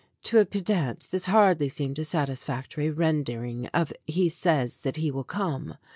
To a pedant this hardly seemed a satisfactory render ing of "he says that he will come."